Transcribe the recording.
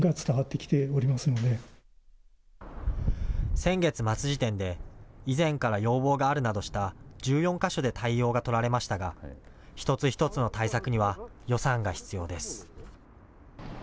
先月末時点で以前から要望があるなどした１４か所で対応が取られましたが、一つ一つの対策には予算が必要です。